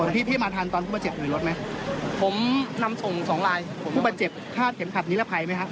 พี่พี่มาทันตอนผู้บาดเจ็บอยู่ในรถไหมผมนำส่งสองลายผู้บาดเจ็บคาดเข็มขัดนิรภัยไหมครับ